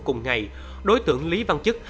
cùng ngày đối tượng lý văn chức